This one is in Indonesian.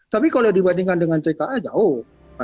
tapi kalau dibandingkan dengan tka jauh